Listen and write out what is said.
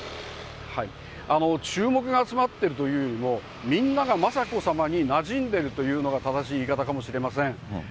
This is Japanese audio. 注目が集まっているというよりも、みんなが雅子さまになじんでるというのが正しい言い方かもしれません。